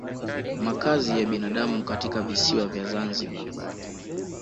Makazi ya binadamu katika visiwa vya Zanzibar